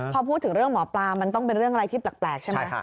พอพูดถึงเรื่องหมอปลามันต้องเป็นเรื่องอะไรที่แปลกใช่ไหม